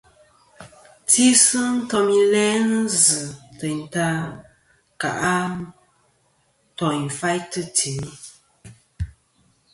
Tisi ntom i lænɨ zɨ teyn ta ka ntoỳnfaytɨ timi.